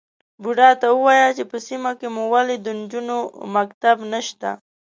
_بوډا ته ووايه چې په سيمه کې مو ولې د نجونو مکتب نشته؟